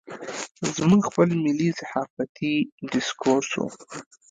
زموږ خپل ملي صحافتي ډسکورس و.